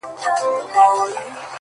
روح مي خبري وکړې روح مي په سندرو ويل-